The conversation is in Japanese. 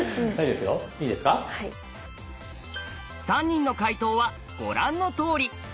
３人の解答はご覧のとおり。